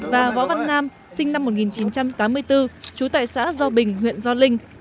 và võ văn nam sinh năm một nghìn chín trăm tám mươi bốn trú tại xã do bình huyện gio linh